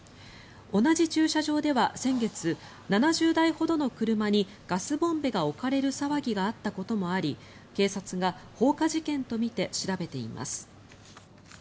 同じ駐車場では先月７０台ほどの車にガスボンベが置かれる騒ぎがあったこともあり警察が放火事件とみて調べています。